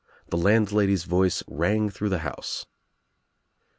The I landlady's voice rang through the house.